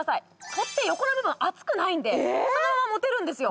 取っ手横の部分熱くないんでそのまま持てるんですよ